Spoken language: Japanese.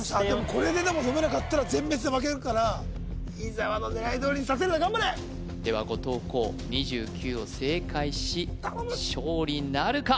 これででも読めなかったら全滅で負けるから伊沢の狙いどおりにさせるな頑張れでは後藤弘２９を正解し頼む勝利なるか？